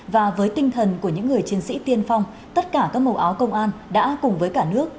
và với tinh thần của những người chiến sĩ tiên phong tất cả các màu áo công an đã cùng với cả nước